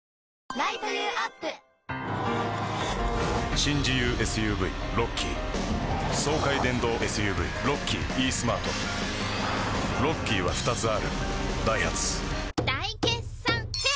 新自由ＳＵＶロッキー爽快電動ＳＵＶロッキーイースマートロッキーは２つあるダイハツ大決算フェア